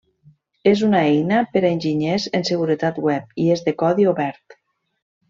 És una eina per a enginyers en seguretat web i és de codi obert.